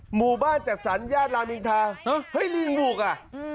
หมู่บ้านจัดสรรญาติรามอินทาเฮ้ยลิงบุกอ่ะ